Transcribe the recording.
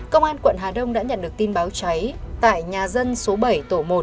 công an quận hà đông đã nhận được tin báo cháy tại nhà dân số bảy tổ một